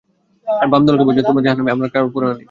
আর বাম দলকে বলেছেন, তোমরা জাহান্নামী, আমার কারো পরোয়া নেই।